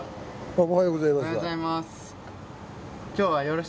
おはようございます。